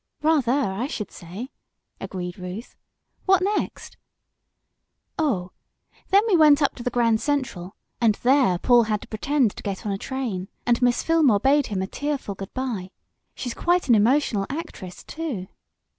"Rather, I should say," agreed Ruth. "What next?" "Oh, then we went up to the Grand Central, and there Paul had to pretend to get on a train, and Miss Fillmore bade him a tearful good bye. She's quite an emotional actress, too.